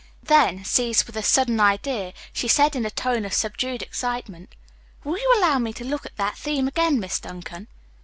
Then, seized with a sudden idea, she said in a tone of subdued excitement, "Will you allow me to look at that theme again, Miss Duncan?"